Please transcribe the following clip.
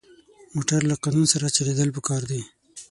موټر له قانون سره چلېدل پکار دي.